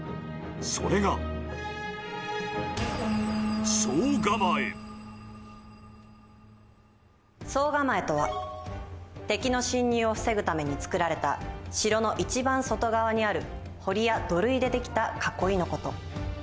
それが総構とは敵の侵入を防ぐためにつくられた城の一番外側にある堀や土塁でできた囲いの事。